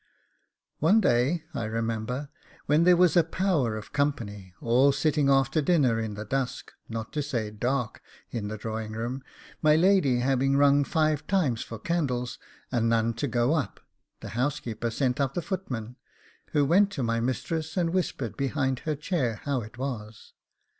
One day, I remember, when there was a power of company, all sitting after dinner in the dusk, not to say dark, in the drawing room, my lady having rung five times for candles, and none to go up, the housekeeper sent up the footman, who went to my mistress, and whispered behind her chair how it was.